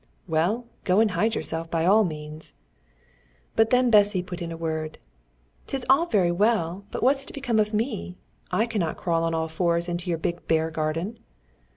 "Well, go and hide yourself, by all means!" But then Bessy put in a word: "'Tis all very well, but what's to become of me. I cannot crawl on all fours into your big bear garden."